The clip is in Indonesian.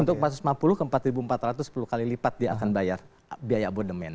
untuk empat ratus lima puluh ke empat empat ratus sepuluh kali lipat dia akan bayar biaya abodemen